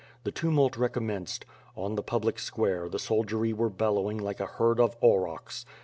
The tumult recommenced. On the public square, the soldiery were bellowing like a herd of aurochs.